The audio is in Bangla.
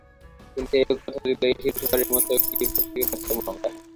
কিন্তু ও কথা দিলো এই শেষবারের মতো ওকে বিপদ থেকে বাঁচাবো আমরা।